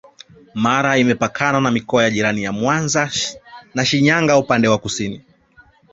Mara imepakana na mikoa jirani ya Mwanza na Shinyanga upande wa kusini